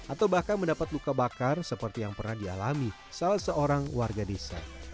atau bahkan mendapat luka bakar seperti yang pernah dialami salah seorang warga desa